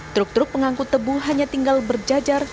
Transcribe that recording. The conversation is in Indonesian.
truk truk pengangkut tebu hanya tinggal berjajar